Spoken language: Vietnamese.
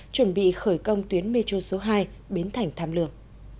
chuẩn bị khởi công tuyến metro số hai biến thành tham lương